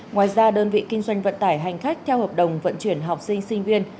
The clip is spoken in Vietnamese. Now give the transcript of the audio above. ngoài ra đơn vị kinh doanh vận tải hành khách theo hợp đồng vận chuyển học sinh sinh viên